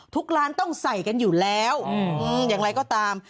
ทุกร้านต้องใส่กันอยู่แล้วอย่างไรก็ตาม